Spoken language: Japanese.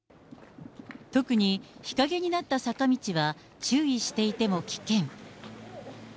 特に日陰になった坂道は注意していても危険。